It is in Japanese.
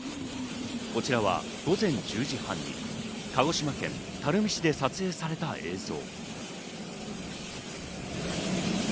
こちらは午前１０時半に鹿児島県垂水市で撮影された映像。